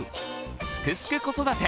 「すくすく子育て」